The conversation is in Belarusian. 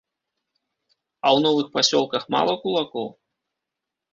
А ў новых пасёлках мала кулакоў?